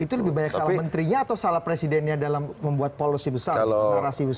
itu lebih banyak salah menterinya atau salah presidennya dalam membuat polosi besar narasi besar